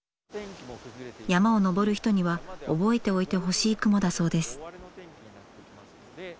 山を登る人には覚えておいてほしい雲だそうです。